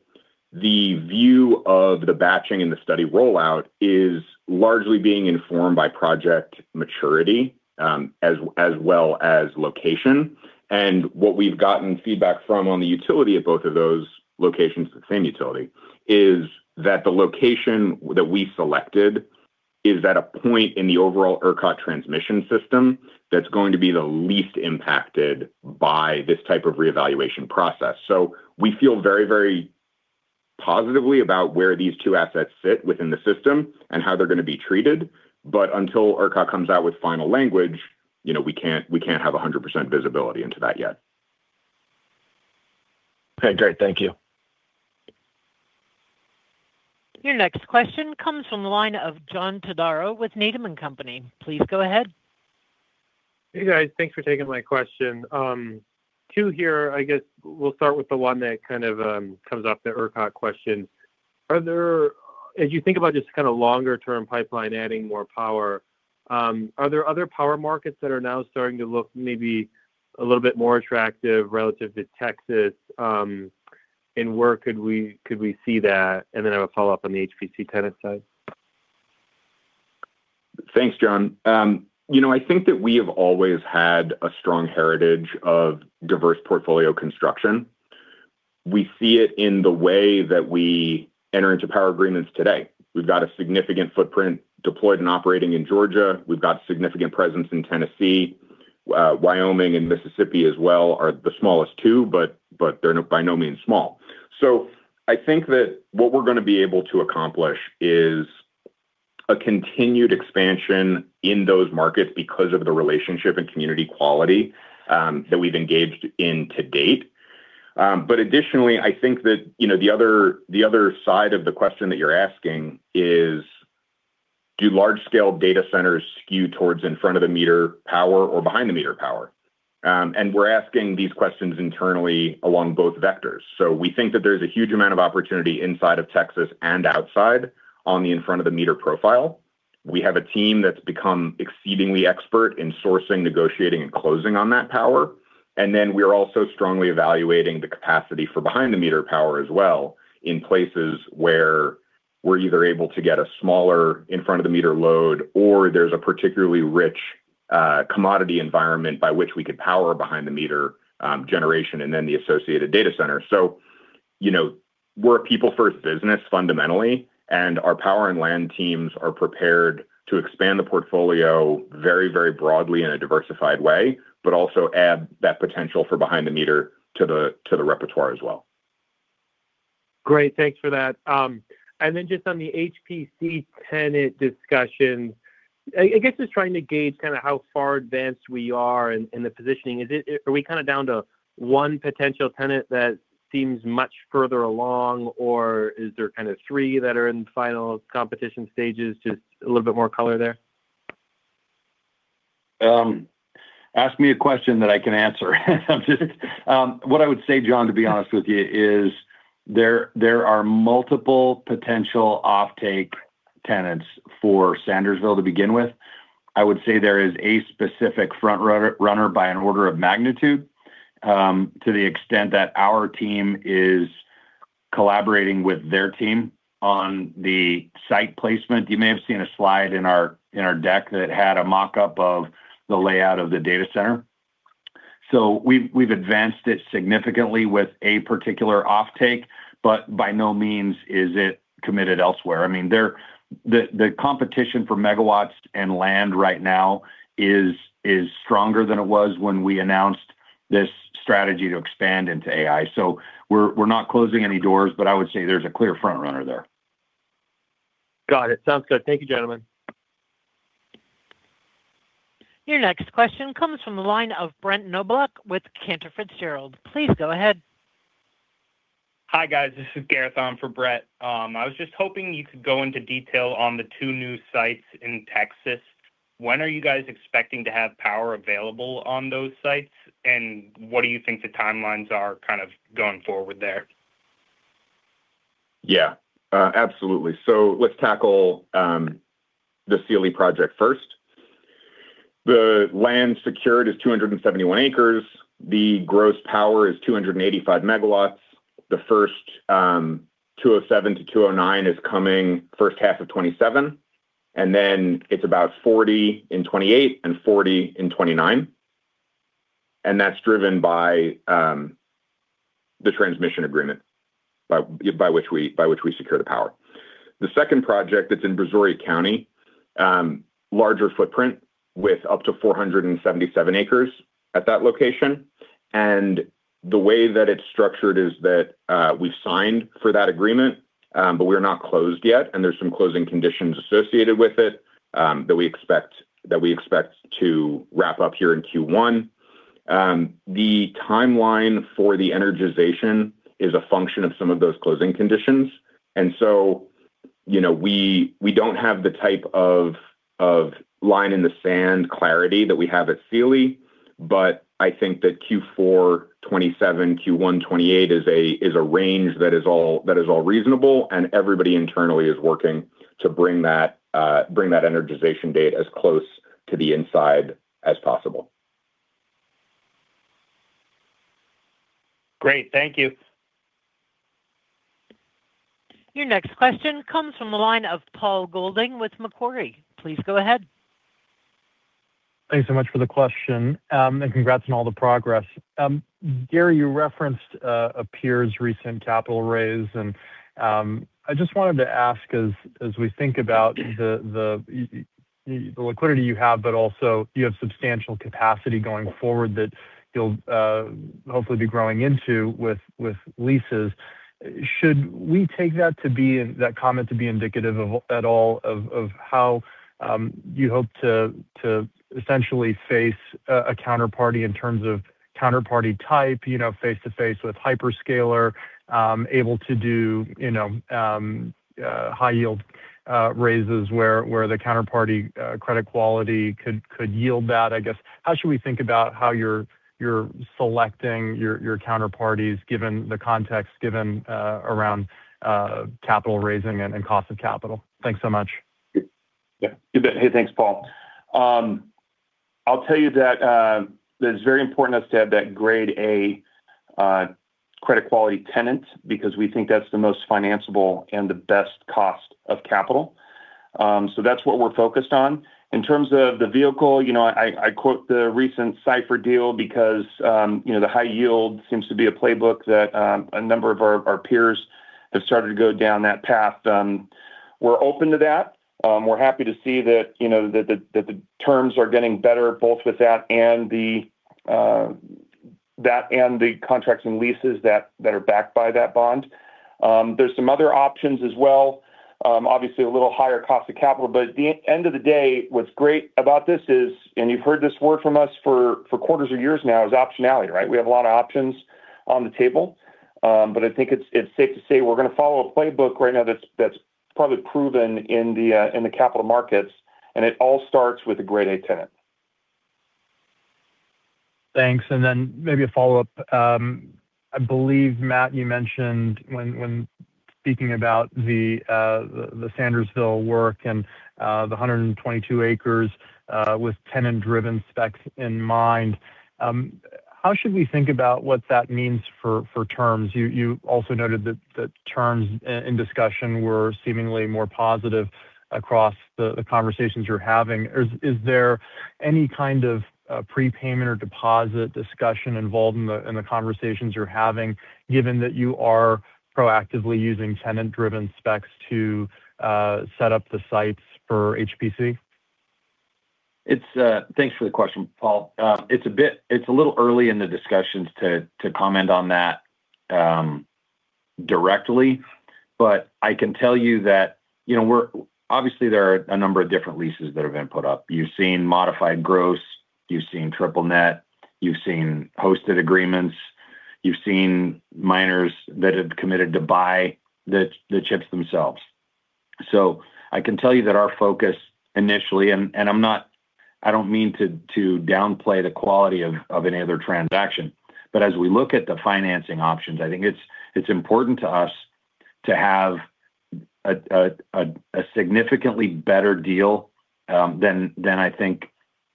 the view of the batching and the study rollout is largely being informed by project maturity, as well as location. What we've gotten feedback from on the utility of both of those locations, the same utility, is that the location that we selected is at a point in the overall ERCOT transmission system that's going to be the least impacted by this type of reevaluation process. So we feel very, very positively about where these two assets fit within the system and how they're gonna be treated, but until ERCOT comes out with final language, you know, we can't, we can't have 100% visibility into that yet. Okay, great. Thank you. Your next question comes from the line of John Todaro with Needham & Company. Please go ahead. Hey, guys. Thanks for taking my question. Two here. I guess we'll start with the one that kind of comes off the ERCOT question. Are there... As you think about just kind of longer-term pipeline, adding more power, are there other power markets that are now starting to look maybe a little bit more attractive relative to Texas? And where could we, could we see that? And then I have a follow-up on the HPC tenant side. Thanks, John. You know, I think that we have always had a strong heritage of diverse portfolio construction. We see it in the way that we enter into power agreements today. We've got a significant footprint deployed and operating in Georgia. We've got significant presence in Tennessee. Wyoming and Mississippi as well are the smallest two, but they're by no means small. So I think that what we're gonna be able to accomplish is a continued expansion in those markets because of the relationship and community quality that we've engaged in to date. But additionally, I think that, you know, the other side of the question that you're asking is: do large-scale data centers skew towards in front-of-the-meter power or behind-the-meter power? And we're asking these questions internally along both vectors. So we think that there's a huge amount of opportunity inside of Texas and outside on the in-front-of-the-meter profile. We have a team that's become exceedingly expert in sourcing, negotiating, and closing on that power. And then we're also strongly evaluating the capacity for behind-the-meter power as well, in places where we're either able to get a smaller in-front-of-the-meter load, or there's a particularly rich commodity environment by which we could power behind-the-meter generation, and then the associated data center. So, you know, we're a people-first business, fundamentally, and our power and land teams are prepared to expand the portfolio very, very broadly in a diversified way, but also add that potential for behind-the-meter to the repertoire as well. Great. Thanks for that. And then just on the HPC tenant discussion, I guess just trying to gauge kind of how far advanced we are in the positioning. Is it? Are we kind of down to one potential tenant that seems much further along, or is there kind of three that are in final competition stages? Just a little bit more color there. Ask me a question that I can answer. What I would say, John, to be honest with you, is there are multiple potential offtake tenants for Sandersville to begin with. I would say there is a specific front-runner by an order of magnitude, to the extent that our team is collaborating with their team on the site placement. You may have seen a slide in our deck that had a mock-up of the layout of the data center. So we've advanced it significantly with a particular offtake, but by no means is it committed elsewhere. I mean, the competition for megawatts and land right now is stronger than it was when we announced this strategy to expand into AI. So we're not closing any doors, but I would say there's a clear front-runner there. Got it. Sounds good. Thank you, gentlemen. Your next question comes from the line of Brett Knoblauch with Cantor Fitzgerald. Please go ahead. Hi, guys. This is Gareth on for Brett. I was just hoping you could go into detail on the two new sites in Texas. When are you guys expecting to have power available on those sites, and what do you think the timelines are kind of going forward there? Yeah, absolutely. So let's tackle the Sealy project first. The land secured is 271 acres. The gross power is 285 megawatts. The first 207 to 209 is coming first half of 2027, and then it's about 40 in 2028 and 40 in 2029. And that's driven by the transmission agreement by which we secure the power. The second project that's in Brazoria County, larger footprint with up to 477 acres at that location. And the way that it's structured is that we've signed for that agreement, but we're not closed yet, and there's some closing conditions associated with it that we expect to wrap up here in Q1. The timeline for the energization is a function of some of those closing conditions, and so, you know, we don't have the type of line in the sand clarity that we have at Sealy, but I think that Q4 2027, Q1 2028 is a range that is all reasonable, and everybody internally is working to bring that energization date as close to the inside as possible. Great. Thank you. Your next question comes from the line of Paul Golding with Macquarie. Please go ahead. Thanks so much for the question, and congrats on all the progress. Gary, you referenced a peer's recent capital raise, and I just wanted to ask, as we think about the liquidity you have, but also you have substantial capacity going forward that you'll hopefully be growing into with leases. Should we take that to be... That comment to be indicative of at all, of how you hope to essentially face a counterparty in terms of counterparty type, you know, face to face with hyperscaler, able to do, you know, high yield raises, where the counterparty credit quality could yield that, I guess? How should we think about how you're selecting your counterparties, given the context, given around capital raising and cost of capital? Thanks so much. Yeah. You bet. Hey, thanks, Paul. I'll tell you that that it's very important to us to have that grade A credit quality tenant, because we think that's the most financiable and the best cost of capital. So that's what we're focused on. In terms of the vehicle, you know, I quote the recent Cipher deal because, you know, the high yield seems to be a playbook that a number of our peers have started to go down that path. We're open to that. We're happy to see that, you know, that the terms are getting better, both with that and the, ...that and the contracts and leases that are backed by that bond. There's some other options as well. Obviously, a little higher cost of capital, but at the end of the day, what's great about this is, and you've heard this word from us for quarters or years now, is optionality, right? We have a lot of options on the table. But I think it's safe to say we're going to follow a playbook right now that's probably proven in the capital markets, and it all starts with a Grade A tenant. Thanks. And then maybe a follow-up. I believe, Matt, you mentioned when speaking about the Sandersville work and the 122 acres with tenant-driven specs in mind, how should we think about what that means for terms? You also noted that the terms in discussion were seemingly more positive across the conversations you're having. Is there any kind of prepayment or deposit discussion involved in the conversations you're having, given that you are proactively using tenant-driven specs to set up the sites for HPC? Thanks for the question, Paul. It's a little early in the discussions to comment on that directly, but I can tell you that, you know, we're obviously, there are a number of different leases that have been put up. You've seen modified gross, you've seen triple net, you've seen hosted agreements, you've seen miners that have committed to buy the chips themselves. So I can tell you that our focus initially, and I'm not—I don't mean to downplay the quality of any other transaction, but as we look at the financing options, I think it's important to us to have a significantly better deal than I think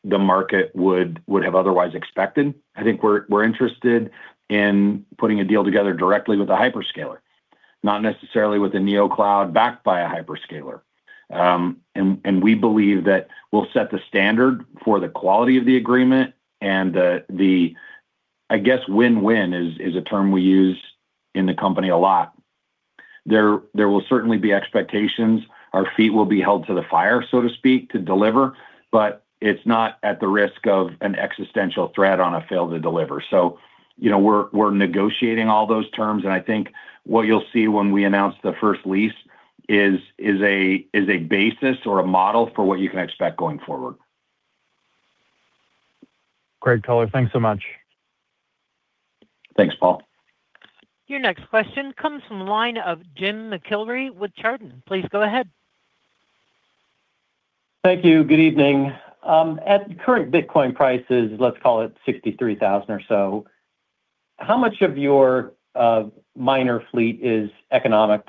the market would have otherwise expected. I think we're interested in putting a deal together directly with a hyperscaler, not necessarily with a neocloud backed by a hyperscaler. And we believe that we'll set the standard for the quality of the agreement and the, I guess, win-win is a term we use in the company a lot. There will certainly be expectations. Our feet will be held to the fire, so to speak, to deliver, but it's not at the risk of an existential threat on a fail to deliver. So, you know, we're negotiating all those terms, and I think what you'll see when we announce the first lease is a basis or a model for what you can expect going forward. Great color. Thanks so much. Thanks, Paul. Your next question comes from the line of Jim McIlree with Chardan. Please go ahead. Thank you. Good evening. At current Bitcoin prices, let's call it $63,000 or so, how much of your miner fleet is economic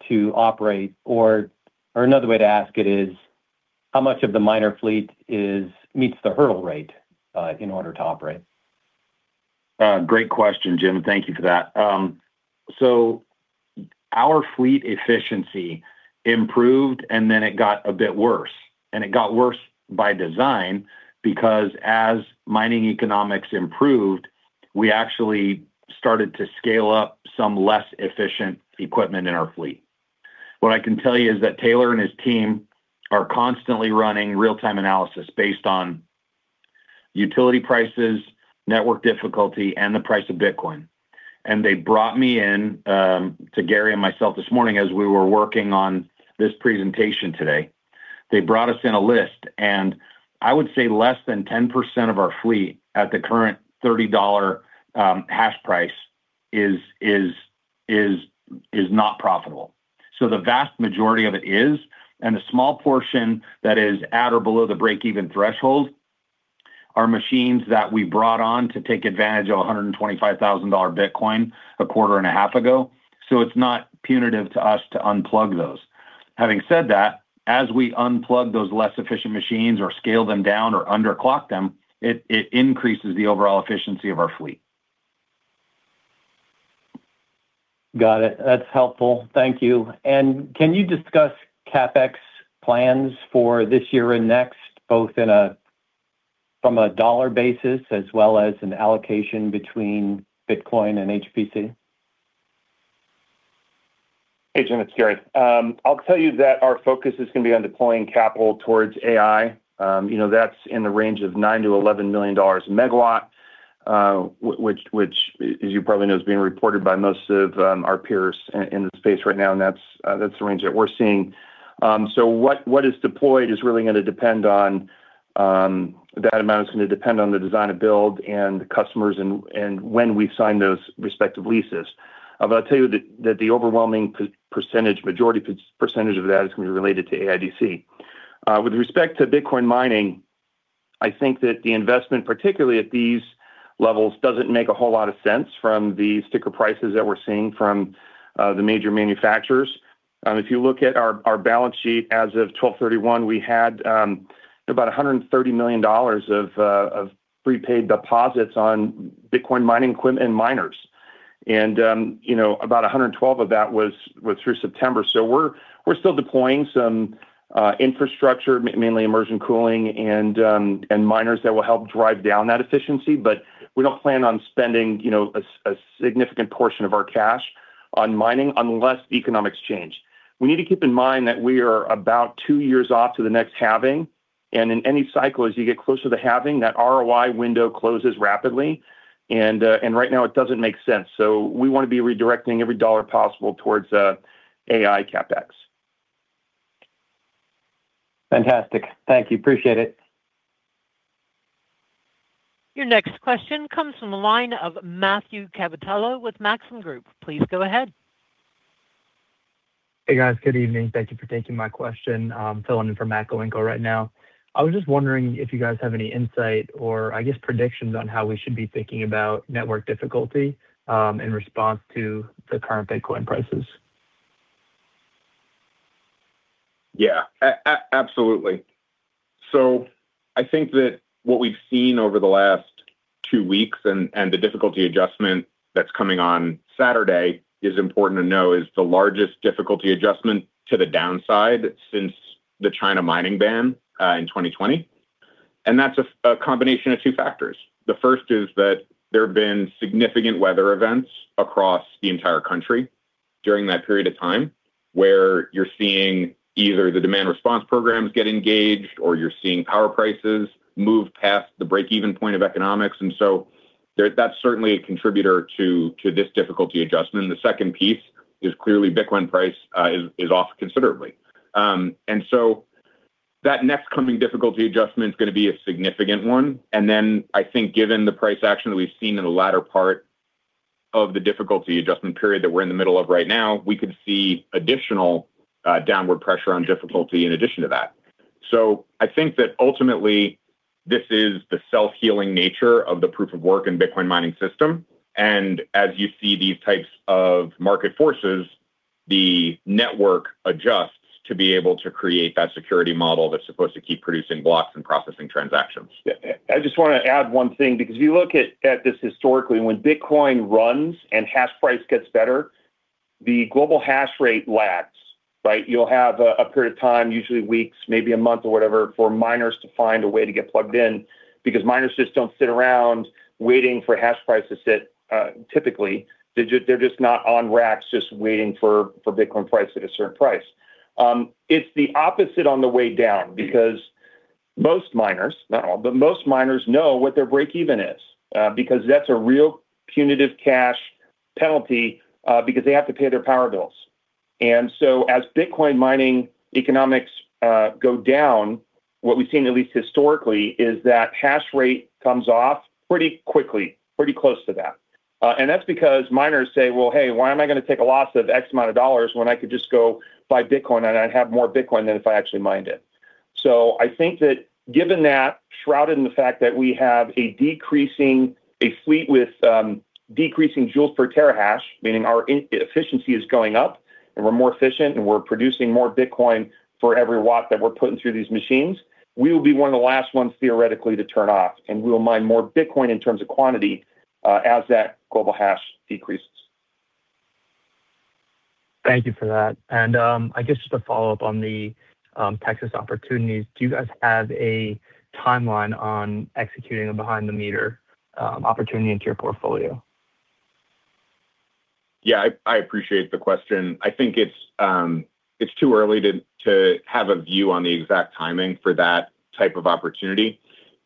to operate? Or another way to ask it is, how much of the miner fleet meets the hurdle rate in order to operate? Great question, Jim. Thank you for that. So our fleet efficiency improved, and then it got a bit worse, and it got worse by design because as mining economics improved, we actually started to scale up some less efficient equipment in our fleet. What I can tell you is that Taylor and his team are constantly running real-time analysis based on utility prices, network difficulty, and the price of Bitcoin. And they brought me in to Gary and myself this morning as we were working on this presentation today. They brought us in a list, and I would say less than 10% of our fleet at the current $30 hash price is not profitable. So the vast majority of it is, and a small portion that is at or below the break-even threshold are machines that we brought on to take advantage of a $125,000 Bitcoin, 1.5 quarters ago. So it's not punitive to us to unplug those. Having said that, as we unplug those less efficient machines or scale them down or underclock them, it, it increases the overall efficiency of our fleet. Got it. That's helpful. Thank you. And can you discuss CapEx plans for this year and next, both from a dollar basis as well as an allocation between Bitcoin and HPC? Hey, Jim, it's Gary. I'll tell you that our focus is going to be on deploying capital towards AI. You know, that's in the range of $9 million-$11 million a megawatt, which, as you probably know, is being reported by most of our peers in the space right now, and that's the range that we're seeing. So what is deployed is really going to depend on, that amount is going to depend on the design of build and the customers and when we sign those respective leases. But I'll tell you that the overwhelming percentage, majority percentage of that is going to be related to AIDC. With respect to Bitcoin mining, I think that the investment, particularly at these levels, doesn't make a whole lot of sense from the sticker prices that we're seeing from the major manufacturers. If you look at our balance sheet, as of 12/31, we had about $130 million of prepaid deposits on Bitcoin mining equipment and miners. And you know, about $112 million of that was through September. So we're still deploying some infrastructure, mainly immersion cooling and miners that will help drive down that efficiency, but we don't plan on spending, you know, a significant portion of our cash.... on mining unless economics change. We need to keep in mind that we are about two years off to the next halving, and in any cycle, as you get closer to the halving, that ROI window closes rapidly, and right now it doesn't make sense. So we want to be redirecting every dollar possible towards AI CapEx. Fantastic. Thank you. Appreciate it. Your next question comes from the line of Matthew Galinko with Maxim Group. Please go ahead. Hey, guys. Good evening. Thank you for taking my question. I'm filling in for Matthew Galinko right now. I was just wondering if you guys have any insight or, I guess, predictions on how we should be thinking about network difficulty in response to the current Bitcoin prices. Yeah, absolutely. So I think that what we've seen over the last two weeks and the difficulty adjustment that's coming on Saturday is important to know, is the largest difficulty adjustment to the downside since the China mining ban in 2020. And that's a combination of two factors. The first is that there have been significant weather events across the entire country during that period of time, where you're seeing either the demand response programs get engaged or you're seeing power prices move past the break-even point of economics. And so that's certainly a contributor to this difficulty adjustment. The second piece is clearly Bitcoin price is off considerably. And so that next coming difficulty adjustment is gonna be a significant one. And then I think given the price action that we've seen in the latter part of the difficulty adjustment period that we're in the middle of right now, we could see additional downward pressure on difficulty in addition to that. So I think that ultimately, this is the self-healing nature of the proof of work in Bitcoin mining system. And as you see these types of market forces, the network adjusts to be able to create that security model that's supposed to keep producing blocks and processing transactions. I just want to add one thing, because if you look at this historically, when Bitcoin runs and hash price gets better, the global hash rate lags, right? You'll have a period of time, usually weeks, maybe a month or whatever, for miners to find a way to get plugged in, because miners just don't sit around waiting for hash price to sit. Typically, they're just not on racks, just waiting for Bitcoin price at a certain price. It's the opposite on the way down because most miners, not all, but most miners know what their break even is, because that's a real punitive cash penalty, because they have to pay their power bills. And so as Bitcoin mining economics go down, what we've seen, at least historically, is that hash rate comes off pretty quickly, pretty close to that. And that's because miners say, "Well, hey, why am I going to take a loss of X amount of dollars when I could just go buy Bitcoin, and I'd have more Bitcoin than if I actually mined it?" So I think that given that, shrouded in the fact that we have a decreasing fleet with decreasing joules per terahash, meaning our efficiency is going up, and we're more efficient, and we're producing more Bitcoin for every watt that we're putting through these machines, we will be one of the last ones, theoretically, to turn off, and we will mine more Bitcoin in terms of quantity, as that global hash decreases. Thank you for that. I guess just a follow-up on the Texas opportunities. Do you guys have a timeline on executing a behind-the-meter opportunity into your portfolio? Yeah, I appreciate the question. I think it's too early to have a view on the exact timing for that type of opportunity.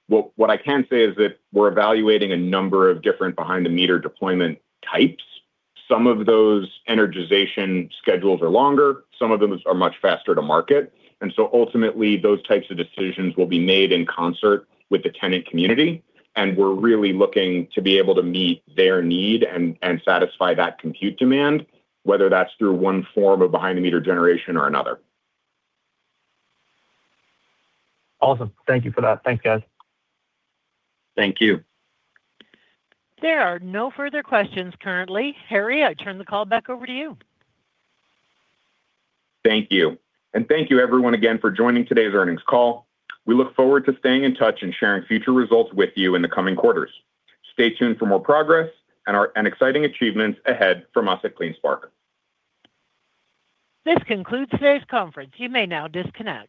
What I can say is that we're evaluating a number of different behind-the-meter deployment types. Some of those energization schedules are longer, some of them are much faster to market. And so ultimately, those types of decisions will be made in concert with the tenant community, and we're really looking to be able to meet their need and satisfy that compute demand, whether that's through one form of behind-the-meter generation or another. Awesome. Thank you for that. Thanks, guys. Thank you. There are no further questions currently. Harry, I turn the call back over to you. Thank you. Thank you everyone again for joining today's earnings call. We look forward to staying in touch and sharing future results with you in the coming quarters. Stay tuned for more progress and our exciting achievements ahead from us at CleanSpark. This concludes today's conference. You may now disconnect.